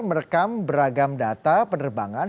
merekam beragam data penerbangan